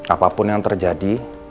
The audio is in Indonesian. apapun yang terjadi